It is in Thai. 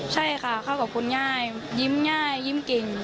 ใช่ค่ะเข้ากับคนง่ายยิ้มง่ายยิ้มเก่ง